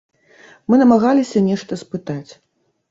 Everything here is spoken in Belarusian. Мы намагаліся нешта спытаць.